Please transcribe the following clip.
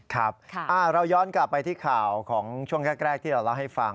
ครับเราย้อนกลับไปที่ข่าวของช่วงแรกที่เราเล่าให้ฟัง